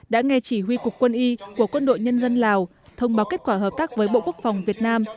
đã nghe chỉ huy cục quân y của quân đội nhân dân lào thông báo kết quả hợp tác với bộ quốc phòng việt nam